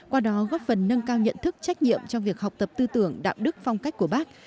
qua đó góp phần nâng cao nhận thức trách nhiệm trong việc học tập tư tưởng đạo đức phong cách của bác